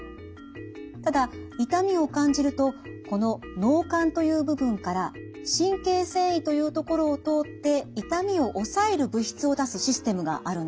ただ痛みを感じるとこの脳幹という部分から神経線維というところを通って痛みをおさえる物質を出すシステムがあるんです。